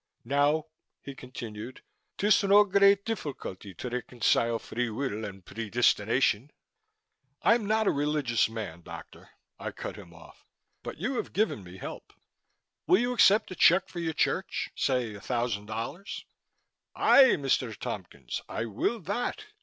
"Now," he continued, "'tis no great difficulty to reconcile free will and predestination." "I'm not a religious man, doctor," I cut him off, "but you have given me help. Will you accept a check for your church say a thousand dollars?" "Aye, Mr. Tompkins, I will that!